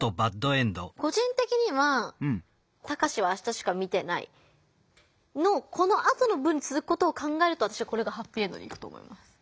個人的には「タカシは明日しか見てない」のこのあとの文につづくことを考えるとこれがハッピーエンドにいくと思います。